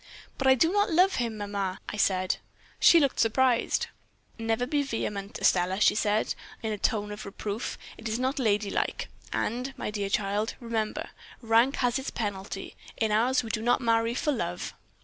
"'But I do not love him, mamma,' I said. "She looked surprised. "'Never be vehement, Estelle,' she said, in a tone of reproof; 'it is not lady like. And, my dear child, remember, rank has its penalty. In ours we do not marry for love.'